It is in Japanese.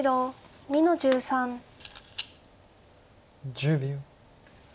１０秒。